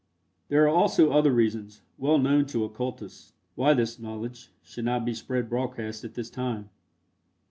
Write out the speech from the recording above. There are also other reasons, well known to occultists, why this knowledge should not be spread broadcast at this time.